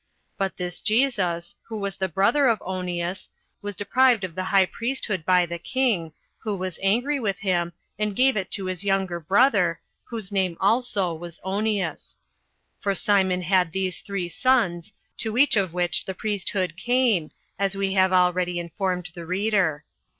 But this Jesus, who was the brother of Onias, was deprived of the high priesthood by the king, who was angry with him, and gave it to his younger brother, whose name also was Onias; for Simon had these three sons, to each of which the priesthood came, as we have already informed the reader.